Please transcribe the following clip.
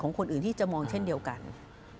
เขาก็มีสิทธิ์ที่จะทำได้เพราะเขาอยากออยเขามีร่างกายสวยงาม